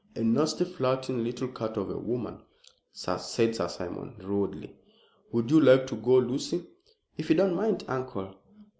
A nasty, flirting little cat of a woman," said Sir Simon, rudely. "Would you like to go, Lucy?" "If you don't mind, uncle."